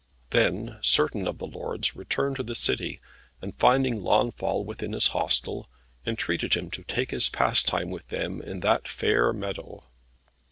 Then certain of the lords returned to the city, and finding Launfal within his hostel, entreated him to take his pastime with them in that fair meadow.